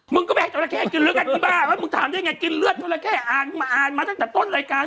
มึงก็ไม่ให้จอละเข้กินเลือดกันอ๊ะมึงถามได้ยังไงกินเลือดจอละเข้อ่านมาทันตั้งแต่ต้นรายการ